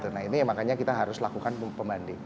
nah ini makanya kita harus lakukan pembanding